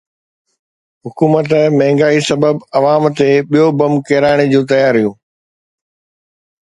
حڪومت مهانگائي سبب عوام تي ٻيو بم ڪيرائڻ جون تياريون